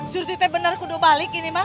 surti te bener kuduk balik ini mah